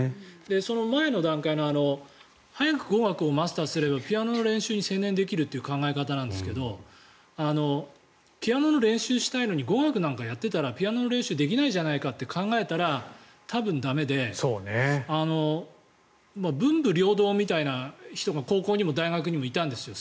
その前の段階の早く語学をマスターすればピアノの練習に専念できるという考え方なんですがピアノの練習をしたいのに語学なんてやっていたらピアノの練習ができないじゃないかということを考えたら多分、駄目で文武両道みたいな人が高校にも大学にもいたんですよ。